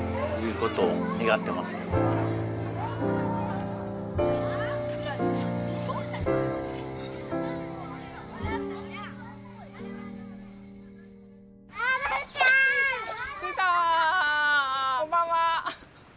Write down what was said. こんばんは。